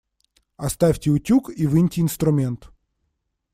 Оставьте утюг и выньте инструмент.